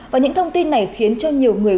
và những thông tin này khiến cho nhiều người